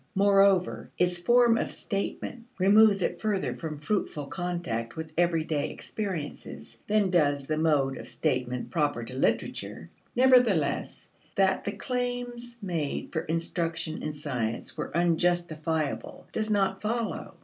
Moreover its form of statement removes it further from fruitful contact with everyday experiences than does the mode of statement proper to literature. Nevertheless that the claims made for instruction in science were unjustifiable does not follow.